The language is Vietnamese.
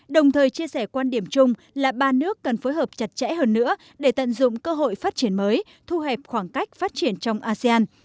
đồng thời chia sẻ quan điểm chung là ba nước cần phối hợp chặt chẽ hơn nữa để tận dụng cơ hội phát triển mới thu hẹp khoảng cách phát triển trong asean